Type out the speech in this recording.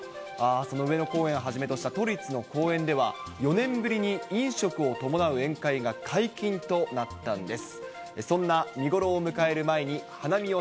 その上野公園をはじめとした都立の公園では、４年ぶりに飲食を伴う宴会が解禁となったんです。